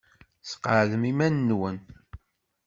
Sqeɛdem iman-nwen.